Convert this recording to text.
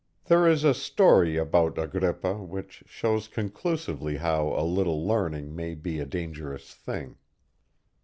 There is a story about Agrippa, which shows conclusively how "a little learning" may be "a dangerous thing."